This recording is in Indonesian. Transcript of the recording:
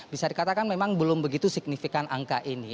bisa dikatakan memang belum begitu signifikan angka ini